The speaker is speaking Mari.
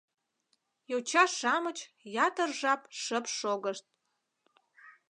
Йоча-шамыч ятыр жап шып шогышт.